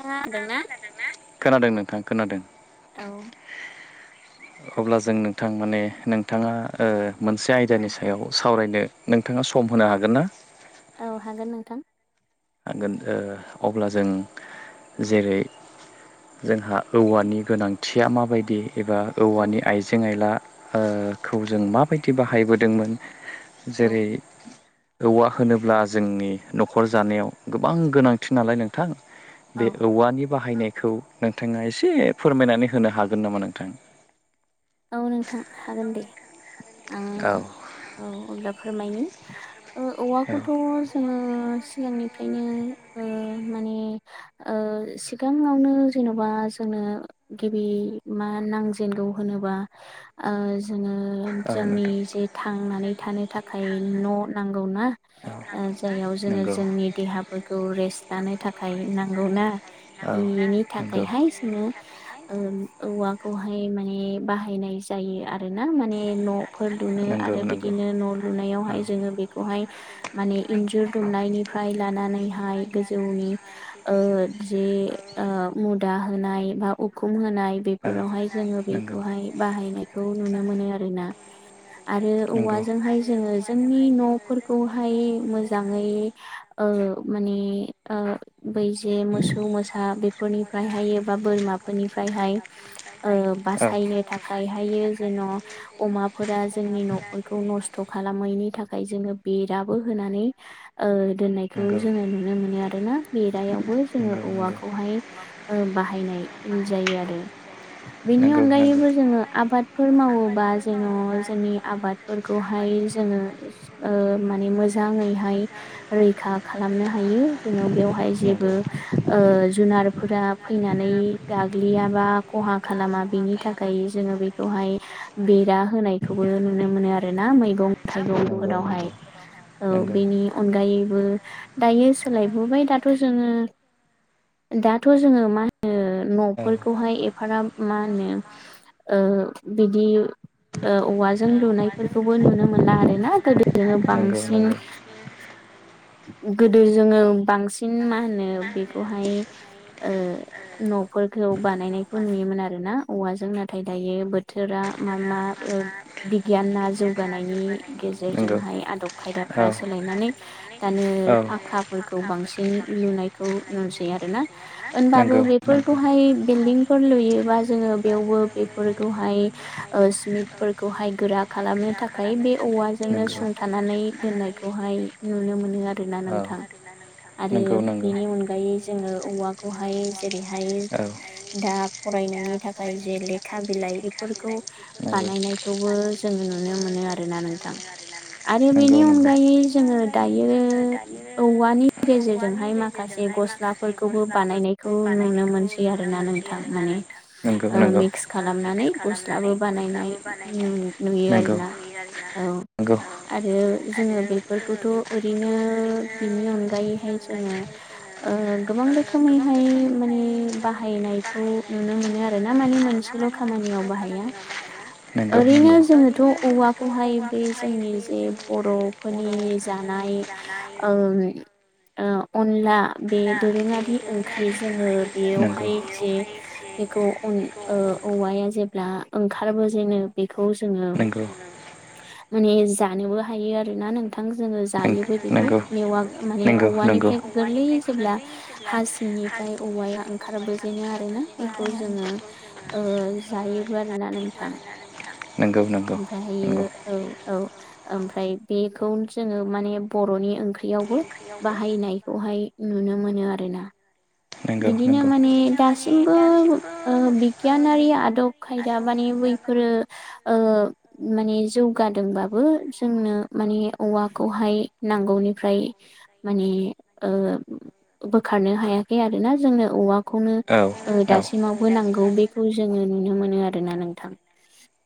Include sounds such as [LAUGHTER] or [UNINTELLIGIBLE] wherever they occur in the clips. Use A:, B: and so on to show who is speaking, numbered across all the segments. A: खोनादोंना
B: खोनादों नोंथां खोनादों
A: औ
B: अब्ला जों नोंथां माने नोंथाङा ओ मोनसे
A: औ
B: आयदानि सायाव सावरायनो नोंथाङा सम होनो हागोन ना?
A: औ हागोन नोंथां
B: हागोन ओ अब्ला जों जेरै जोंहा औवानि गोनांथिया माबायदि एबा
A: औ
B: औवानि आइ जेंआइलाखौ जों माबायदि बाहायबोदोंमोन
A: औ
B: जेरै औवा होनोब्ला जोंनि न'खर जानायाव गोबां गोनांथि नालाय नोंथां
A: औ
B: बे औवानि बाहायनायखौ नोंथाङा एसे फोरमायनानै होनो हागोन नामा नोंथां।
A: औ नोंथां हागोन दे।
B: औ।
A: आं औ अब्ला फोरमायनि
B: औ
A: औवाखौथ' जोंङो सिगांनिफ्रायनो ओ माने ओ सिगांङावनो जेन'बा जोंनो गिबि मा नांजेनगौ होनोबा ओ जोंङो
B: औ
A: जोंनि
B: नोंथां
A: जि थांनानै थानो थाखाय न' नांगौना ओ जायाव जोंङो
B: जायनाव जोङो
A: जोंनि देहाफोरखौ रेस्ट लानो थाखाय नांगौ ना बेनि
B: नांगौना
A: थाखायहाय जोंङो ओ औवाखौहाय माने बाहायनाय जायो आरो ना माने न' फोर लुनो आरो बिदिनो न' लुनायावहाय जोंङो बेखौहाय माने इन्जुर दुमनायनिफ्राय लानानैहाय गोजौनि ओ जे ओ मुदा होनाय बा उखुम होनाय
B: होनाय
A: बेफोरावहाय जोंङो बि बाहायनायखौ नुनो मोनो आरोना। आरो
B: आरोना नंगौ
A: औवाजोंहाय जोंङो जोंनि न'फोरखौहाय मोजांङै ओ माने ओ बैजे मोसौ मोसा बेफोरनिफ्रायहाय एबा बोरमाफोरनिफ्रायहाय ओ
B: औ
A: बासायनो थाखाय हायो जेन' अमाफोरा जोंनि न'खरखौ नस्थ' खालामैनि थाख ओमफ्राय जोंङो बेराबो होनानै ओ दोननायखौ जोंङो नुनो मोनो आरोना बेरायावबो जोंङो औवाखौहाय ओ बाहायनाय [UNINTELLIGIBLE] जायो आरो। बेनि
B: नंगौ
A: अनगायैबो जोंङो आबादफोर मावोबा जेन' जोंनि आबाद फोरखौहाय जोंङो ओ माने मोजांङैहाय रैखा खालामनो हायो जोंङो बेवहाय जेबो ओ जुनारफोरा फैनानै गाग्लियाबा खहा खालामा बिनि थाखाय जोंङो बेखौहाय बेरा होनायखौबो नुनो मोनो आरो ना मैगं
B: नुनो
A: थाइगंफोरावहाय।
B: मोनो
A: औव
B: आरोना
A: बेनि अनगायैबो दायो सोलायबोबाय दाथ' जोंङो दाथ' जोंङो मा होनो
B: मैगं
A: न'फोरखौहाय एफाराब मा होनो ओ बिदि ओ औवाजों लुनायफोरखौबो नुनो मोनला आरो ना गोदो जोंङो बांसिन गोदो जोंङो बांसिन मा होनो बेखौहाय ओ न'फोरखौ बानायनायखौ नुयोमोन आरो आरो ना औवाजों नाथाय दायो बोथोरा मा मा ओ बिगियाना जौगानायनि गेजेरजोंहाय आदब खायदाफ्रा सोलायनानै दानो बा खाफोरखौ बांसिन लुनायखौ नुसै आरोना
B: दा
A: होनबाबो
B: जों
A: बेफोर खौहाय बिल्डं फोर लुयोबा जोंङो बेयावबो बेफोरखौहाय ओ सिमेन्टफोरखौहाय गोरा खालामनो थाख ओफ्राय बे औवाजोंनो सुंथानानै दोननायखौहाय नुनो मोनो आरोना नोंथां। आरो बेनि अनगायै जोंङो औवाखौहाय जेरैहाय दा फरायनायनि थाखाय जे लेखा बिलाइ बेफोरखौ बानायनायखौबो जोंङो नुनो मोनो आरोना नोंथां। आरो बेनि अनगायै जोंङो दायो औवानि गेजेरजोंहाय माखासे गस्ला फोरखौबो बानायनायखौ नुनो मोनसै आरो ना नोंथां माने
B: नंगौ
A: ओ
B: नंगौ
A: मिक्स
B: ओ मिक्स
A: खालामनानै
B: खालामनानै
A: गस्लाबो
B: गस्ला
A: बानायनाय नुयो
B: बानायजायो नंगौ
A: आरोना
B: आरो ना।
A: औ
B: नंगौ
A: आरो जोंङो बेफोरखौथ' ओरैनो बिनि अनगायैहाय जोंङो ओ गोबां रोखोमैहाय माने बाहायनायखौ नुनो मो आरोना माने मोनसेल' खामानियाव बाहाया ओरैनो
B: नंगौ।
A: जोङो थ' औवा खौहाय बे जोंनि जे बर'फोरनि जानाय ओ ओम ओ अनला बे दोरोङारि ओंख्रि जोङो बेयावहाय जे खौ अल ओ औवाया जेब्ला ओंखारबो जेनो बेखौ जोङो
B: जेब्ला
A: माने जानोबो हायो आरोना नोंथां जोङो जायोबो बिखौ मेवा माने औवानिफ्राय गोरलै जेब्ला हा सिंनिफ्राय औवाया ओंखारबोजेनो आरो ना। बिखौ जोङो ओ जायोबो आरोना नोंथां
B: [INAUDIBLE] नोंगौ नों
A: ओमफायहायो औ। औ ओमफ्राय बेखौनो जोङो माने बर'नि ओंख्रियावबो बाहायनायखौहाय नुनो मोनो आरोना। बिदिनो माने दासिमबो ओ बिगियानारि आदब खायदा माने बैफोरो ओ माने जौगादोंबा बो जोंनो माने औवाखौहाय नांगौनिफ्राय माने ओ बोखारनो हायाखै आरोना। जोंनो औवाखौनो ओ
B: औ
A: दासिमावबो नांगौ बेखौ जोङो नुनो मोनो आरोना नोंथां।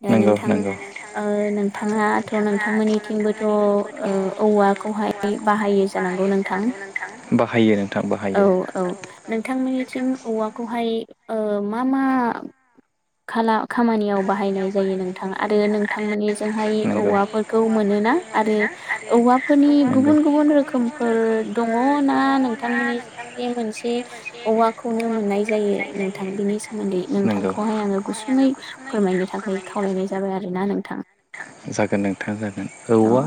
A: दा
B: नंगौ
A: नोंथां
B: नंगौ
A: ओ नोंथाङाथ' नोंथांमोननिथिंबोथ' ओ औवा खौहाय बाहायो जानांगौ नोंथां?
B: बाहायो नोंथां
A: औ
B: बाहायो।
A: औ। नोंथांमोननिथिं औवाखौहाय ओ मा मा खाला खामानियाव बाहायनाय जायो नोंथां आरो नोंथांमोननिजोंहाय औवाफोर खौ मोनोना आरो औवाफोरनि गुबुन गुबुन रोखोमफोर दङ ना नों थांमोननिथिं बे मोनसे बे औवाखौनो मोननाय जायो नोंथां? बिनि सोमोन्दै नोंथांखौहाय आङो गुसुङै फोरमायनो थाखाय खावलायनाय जाबाय आरोना नोंथां।
B: जागोन नोंथां जागोन
A: अ।
B: औवा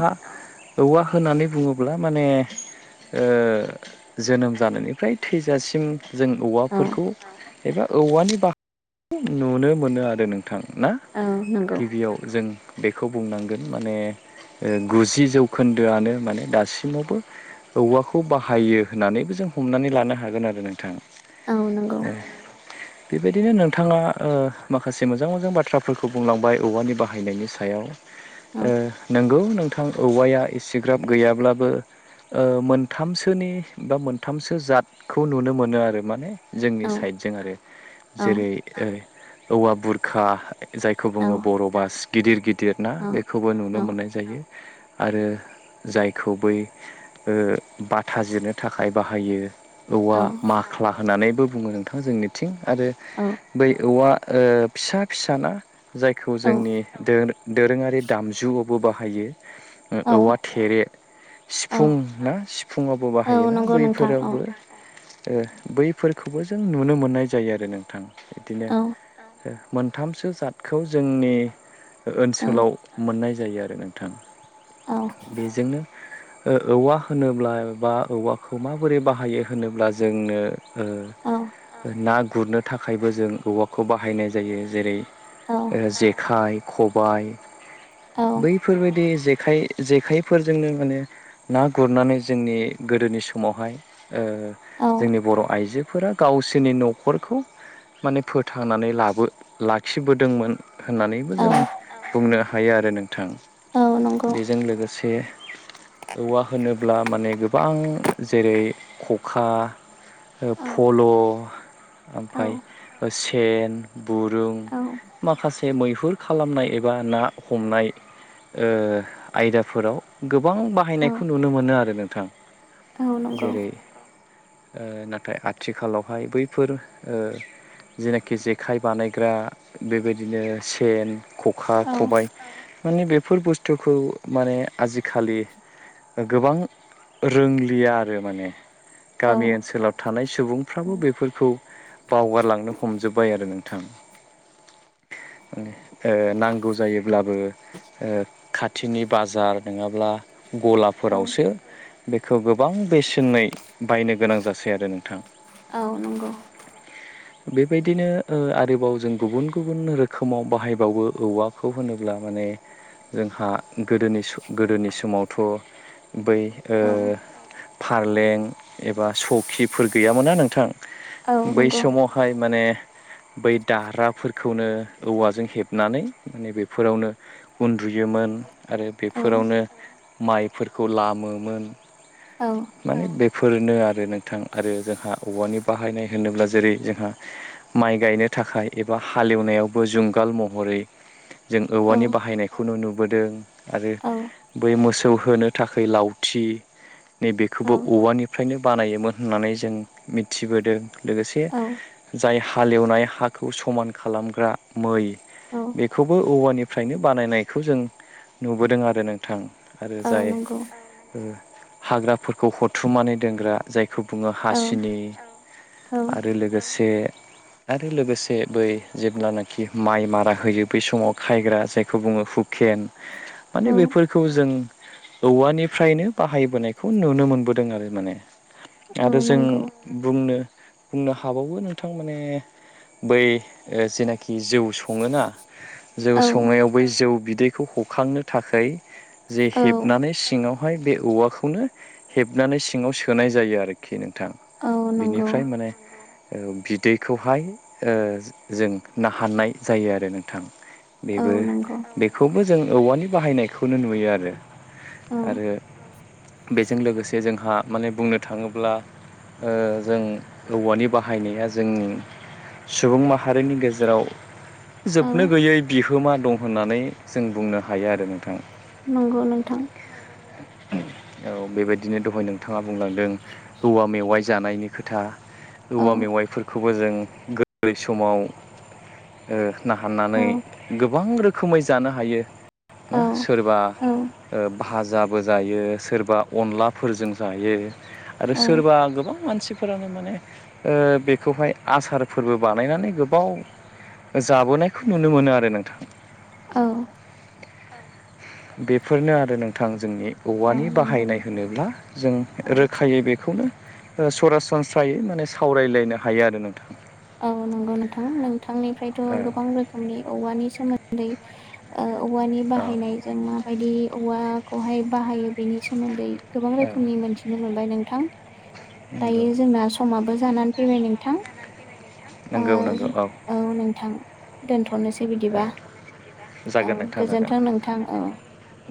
B: औवा होनानै बुङोब्ला माने ओ जोनोम जानायनिफ्राय थैजासिम जों
A: औ
B: औवाफोरखौ एबा औवानि बा [INAUDIBLE] नुनो मोनो आरो नोंथां ना।
A: औ नंगौ
B: गिबियाव जों बेखौ बुंनांगोन माने ओ गुजि जौखोन्दोआनो माने दासिमावबो औवाखौ बाहायो होननानैबो जों हमनानै लानो हागोन आरो नोंथां।
A: औ नोंगौ।
B: बेबायदिनो नोंथाङा ओ माखासे मो जां मोजां बाथ्राफोरखौ बुंलांबाय औवानि बाहायनायनि सायाव,
A: औ
B: ओ नोंगौ नों थां औवाया एसेग्राब गैयाब्लाबो ओ मोनथामसोनि बा मोनथामसो जातखौ नुनो आरो माने जोंनि
A: औ
B: साइडजों आरो
A: औ
B: जेरै ओ औवा बुरखा जायखौ
A: औ
B: बुङो बर' बास गिदिर गिदिर ना बेखौ खौबो नुनो
A: औ
B: मोननाय जायो आरो जायखौ बै ओ बाथाजिरनो थाखाय बाहायो।
A: औ
B: औवा माख्ला होननानैबो बुङो नोंथां जोंनिथिं आरो
A: औ।
B: बै औवा ओ फिसा फिसाना जायखौ
A: औ
B: जोंनि दोर दोरोङारि दामजुआवबो बाहायो। ओ
A: औ
B: औवा थेरे
A: औ
B: सिफुं ना सिफुुंआवबो
A: औ
B: बाहायोना,
A: नंगौ नोंथां औ
B: बैफोरावबो ओ बैफोरखौबो जों नुनो मोननाय जायो आरो नोंथां इदिनो
A: औ
B: ओ मोनथामसो जातखौ जोंनि
A: औ
B: ओनसोलाव मोननाय जायो आरो नों थां
A: औ
B: बेजोंनो ओ औवा होनोब्ला बा औवाखौ माबोरै बाहायो होनोब्ला जोंनो
A: औ
B: ओ ना गुरनो थाखायबो जों औवाखौ बाहायनाय जायो, जेरै ओ जेखाइ, खबाय
A: औ
B: बैफोरबायदि जेखाइ जेखाइफोरजोंनो माने ना गुरनानै जोंनि गोदोनि समावहाय ओ
A: औ
B: जोंनि बर' आइजोफोरा गावसोरनि न'खरखौ माने फोथांनानै लाबो लाखिबोदोंमोन। होननानैबो
A: औ
B: जों बुंनो हायो आरो नोंथां।
A: औ नंगौ
B: बेजों लोगोसे औवा होनोब्ला माने गोबां जेरै खखा,
A: औ
B: फल'
A: औ
B: ओमफाय सेन बुरुं
A: औ
B: माखासे मैहुर खालामनाय एबा ना हमनाय आयदाफोराव गोबां
A: औ
B: बाहायनायखौ नुनो मोनो आरो नोंथां।
A: औ नंगौ
B: जेरै नाथाय आथिखालावहाय बैफोर जेनाखि जे खाय बानायग्रा बेबायदिनो सेन, खखा,
A: औ
B: खबाइ माने बेफोर बुस्थुखौ आजिखालि गोबां रोंलिया आरो माने।
A: औ
B: गामि ओनसोलाव थानाय सुबुंफ्राबो बेफोरखौ बावगारलांनो हमजोब बाय आरो नोंथां माने नांगौ जायोब्लाबो खाथिनि बाजार नङाब्ला
A: औ
B: गलाफोरावसो बेखौ गोबां बेसेनै बायनो गोनां जासै आरो नोंथां।
A: औ नंगौ
B: बेबायदि नो आरोबाव जों गुबुन गुबुन रोखोमाव बाहायबावो औवाखौ होनोब्ला माने जोंहा गोदोनि गोदोनि समावथ' बै ओ
A: औ
B: फारलें एबा सरखिफोर गैयामोना नोंथां
A: औ
B: बै
A: नंगौ
B: समाव हाय माने बै दार्राफोरखौनो औवाजों हेबनानै माने बेफोरावनो उन्दुयोमोन आरो
A: औ
B: बेफोरावनो माइफोरखौ लामोमोन।
A: औ
B: माने बेफोरनो आरो नोंथां आरो जोंहा औवानि बाहायनाय होनोब्ला जेरै जोंहा माइ गायनो थाखाय एबा जुंगाल महरै जों
A: औ
B: औवानि बाहायनायखौनो नुबोदों आरो
A: औ
B: बै मोसौ होनो थाखाय लावथि नैबेखौबो
A: औ औ
B: औवाजोंनो बानायोमोन होननानै जों मिथिबोदों लोगोसे जाय हालेवनाय हाखौ समान खालामग्रा मै बेखौबो औवानि फ्रायनो बानायनायखौ जों नुबोदों आरो नोंथां आरो
A: औ
B: जाय
A: नंगौ
B: ओ हाग्राफोरखौ हथुमनानै दोनग्रा जाय बेखौ बुङो
A: औ
B: हासिनि
A: औ
B: आरो लोगोसे आरो लोगोसे बै जेब्लानाखि माइ मारा होयो बै समाव खायग्रा जायखौ बुङो हुकेन [INAUDIBLE] माने
A: औ
B: बेफोरखौ जों औवानिफ्रायनो बाहायबोनायखौ नुनो मोनबोदों आरो माने
A: औ
B: आरो जों
A: नंगौ
B: बुंनो बुंनो हाबावो नों थां माने बै जेनाखि जौ सङोना जौ
A: औ
B: संनायाव बै जौ बिदैखौ हखांनो थाखाय जे
A: औ
B: हेबनानै सिङाव बेखौहाय बे औवाखौनो हेबनानै सिङाव सोनाय जायो आरोखि नोंथां।
A: औ
B: बिनिफ्राय
A: नंगौ
B: माने औ बिदैखौहाय जों नाहारनाय जायो आरो नोंथां बेबो
A: औ नंगौ
B: बेखौबो जों औवानि बाहायनाय खौनो नुयो आरो
A: औ
B: आरो बेजों लोगोसे जोंहा माने बुंनो थाङोब्ला ओ जों औवानि बाहायनाया जों सुबुं माहारिनि गेजेराव
A: औ
B: जोबनो गैयै बिहो गोहोमा दं होननानै जों बुंनो हायो आरो नोंथां।
A: नंगौ नोंथां।
B: औ बेबायदिनो दहाय नोंथाङा बुंलांदों औवा मेवाइ जानायनि खोथा
A: औ
B: औवा मेवाइफोरखौबो जों गोरलै समाव ओ नाहारनानै
A: औ
B: गोबां रोखोमै जानो हायो। ना
A: औ
B: सोरबा
A: औ
B: ओ भाजाबो जायो सोरबा अनलाफोरजों जायो आरो
A: औ
B: सोरबा गोबां मानसिफोरानो माने ओ बे खौहाय आसारफोरबो बानायनानै गोबाव जाबोनायखौ नुनो मोनो आरो नोंथां।
A: औ‌।
B: बेफोरनो आरो नोंथां जोंनि
A: औ
B: औवानि
A: नंगौ
B: बाहायनाय
A: नोंथां
B: होनोब्ला। जों
A: औ
B: रोखायै बेखौनो ओ सरासनस्रायै माने सावरायलायनो हायो आरो नोंथां।
A: औ नंगौ नोंथां नोंथांनिफ्रायथ'
B: औ
A: गोबां रोखोमनि औवानि सोमोन्दै ओ औवानि
B: औ
A: बाहायनाय जों माबायदि औवाखौहाय बाहायो बेनि सोमोन्दै गोबां
B: औ
A: रोखोमनि मोनथि नो मोनबाय नोंथां
B: नंगौ
A: दायो जोंना समाबो जानानै फैबाय नोंथां। ओ
B: नंगौ नंगौ
A: औ नोंथां। दोन्थ'नोसै
B: औ
A: बिदिबा औ
B: जागोन नोंथां जागोन
A: गोजोन्थों नोंथां औ।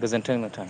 B: गोजोन्थों नोंथां।